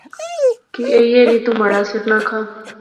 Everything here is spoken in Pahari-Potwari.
کی ایہہ نی، تو مہاڑا سر نہ کھا